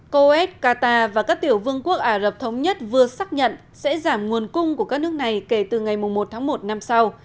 coet qatar và các tiểu vương quốc ả rập thống nhất vừa xác nhận sẽ giảm nguồn cung của các nước này kể từ ngày một tháng một năm sau